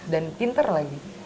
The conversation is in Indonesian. dan pinter lagi